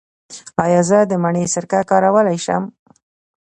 ایا زه د مڼې سرکه کارولی شم؟